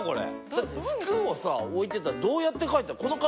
だって服をさ置いてったらどうやって帰ったの？